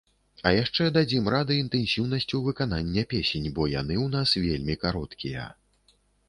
А яшчэ дадзім рады інтэнсіўнасцю выканання песень, бо яны ў нас вельмі кароткія.